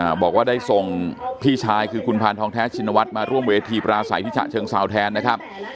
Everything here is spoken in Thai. บอกว่าได้ส่งพี่ชายคือคุณพานทองแท้ชินวัฒน์มาร่วมเวทีปราศัยที่ฉะเชิงเซาแทนนะครับ